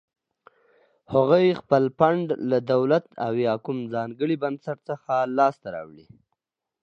هغوی خپل فنډ له دولت او یا کوم ځانګړي بنسټ څخه لاس ته راوړي.